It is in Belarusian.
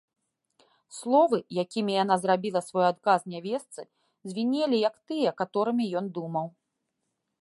Словы, якімі яна зрабіла свой адказ нявестцы, звінелі, як тыя, каторымі ён думаў.